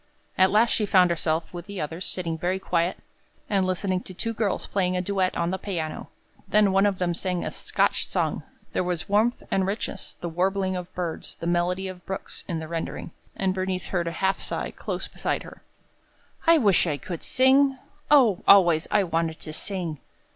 At last she found herself, with the others, sitting very quiet and listening to two girls playing a duet on the piano. Then one of them sang a Scotch song. There was warmth and richness, the warbling of birds, the melody of brooks, in the rendering, and Bernice heard a half sigh close beside her. "I wish I could sing! O, always I wanted to sing!"